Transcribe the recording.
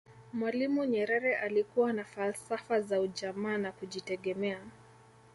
mwalimu nyerere alikuwa na falsafa za ujamaa na kujitegemea